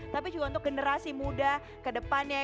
tapi juga untuk generasi muda kedepannya